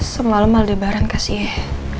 semalam aldebaran kasih